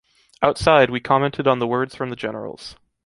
Outside, we commented on the words from the generals.